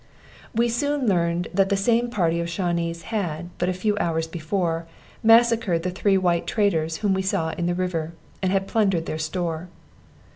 We soon learned that the same party of Shawnees had, but a few hours before, massacred the three white traders whom we saw in the river, and had plundered their store.